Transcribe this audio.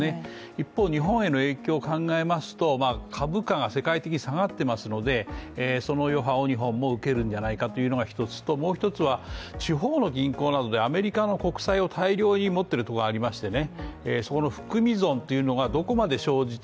一方、日本への影響を考えますと株価が世界的に下がってますのでその余波を日本も受けるんじゃないかというのが１つと、もう一つは、地方の銀行なのでアメリカの国債を大量に持ってるところがありましてね